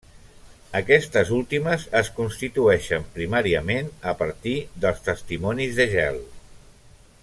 Aquestes últimes es constitueixen primàriament a partir dels testimonis de gel.